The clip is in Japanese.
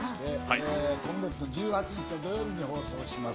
今月土曜日と日曜日に放送します。